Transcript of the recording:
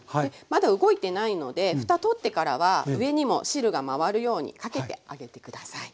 まだ動いてないのでふた取ってからは上にも汁が回るようにかけてあげて下さい。